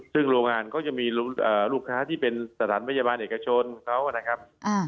ซึ่งโรงงานก็จะมีลูกค้าที่เป็นสถานพยาบาลเอกชนเขานะครับ